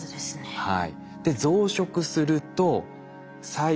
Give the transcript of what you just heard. はい。